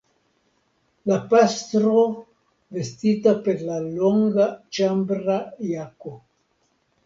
La pastro, vestita per la longa ĉambra jako.